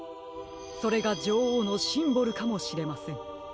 それがじょおうのシンボルかもしれません。